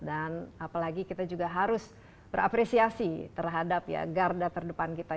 dan apalagi kita juga harus berapresiasi terhadap ya garda terdepan kita